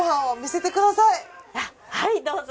はいどうぞ。